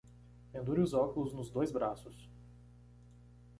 Pendure os óculos nos dois braços.